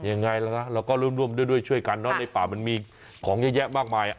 อย่างงี้แหละนะเราก็ร่วมด้วยช่วยกันนะในป่ามันมีของแยะมากมาย